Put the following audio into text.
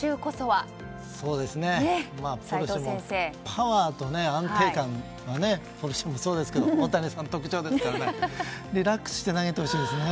パワーと安定感がポルシェもそうですけど大谷さんの特徴ですからリラックスして投げてほしいです。